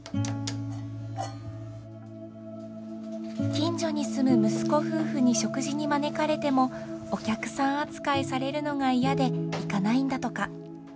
近所に住む息子夫婦に食事に招かれてもお客さん扱いされるのが嫌で行かないんだとか。